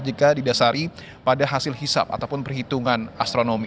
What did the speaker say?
jika didasari pada hasil hisap ataupun perhitungan astronomi